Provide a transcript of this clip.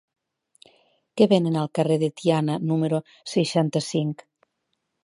Què venen al carrer de Tiana número seixanta-cinc?